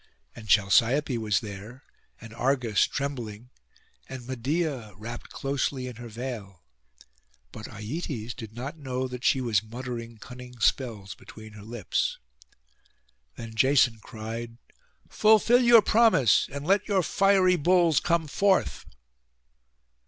And Chalciope was there and Argus, trembling, and Medeia, wrapped closely in her veil; but Aietes did not know that she was muttering cunning spells between her lips. Then Jason cried, 'Fulfil your promise, and let your fiery bulls come forth.